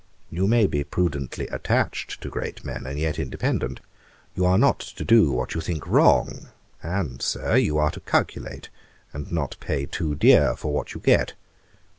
You may be prudently attached to great men and yet independent. You are not to do what you think wrong; and, Sir, you are to calculate, and not pay too dear for what you get.